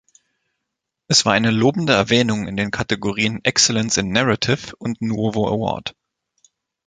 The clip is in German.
Es war eine lobende Erwähnung in den Kategorien Excellence in Narrative und Nuovo Award.